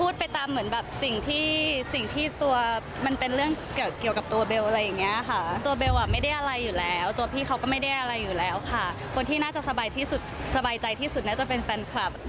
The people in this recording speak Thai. ดูสวยนะดูสดชึ้น